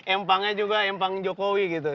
empangnya juga empang jokowi gitu